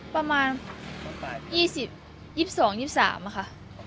ประมาณตอนใต้พี่๒๐๒๒๒๓อะค่ะ